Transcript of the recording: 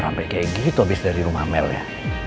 sampai kayak gitu abis dari rumah amelnya